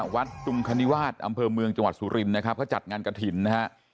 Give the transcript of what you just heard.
ตุงคณิวาสอำเภอเมืองจังหวัดสุรินนะครับเขาจัดงานกระถิ่นนะฮะ